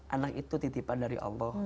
anak itu titipan dari allah